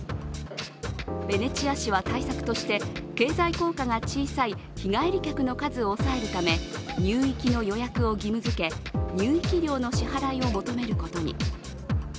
ベネチア市は対策として経済効果が小さい日帰り客の数を抑えるため入域の予約を義務づけ、入域料の支払いを求めることに。